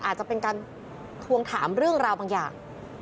อาจจะเป็นการทวงถามเรื่องราวบางอย่าง